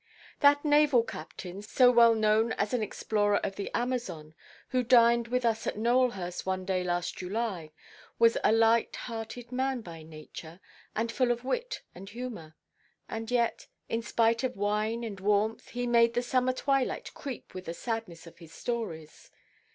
"That naval captain, so well known as an explorer of the Amazon, who dined with us at Nowelhurst one day last July, was a light–hearted man by nature, and full of wit and humour. And yet, in spite of wine and warmth, he made the summer twilight creep with the sadness of his stories.